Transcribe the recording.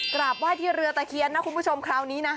กราบไหว้ที่เรือตะเคียนนะคุณผู้ชมคราวนี้นะ